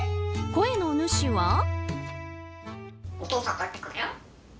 声の主は。